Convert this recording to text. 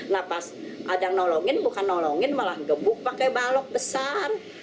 nah pas ada yang nolongin bukan nolongin malah gebuk pakai balok besar